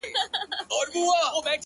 ما ستا په شربتي سونډو خمار مات کړی دی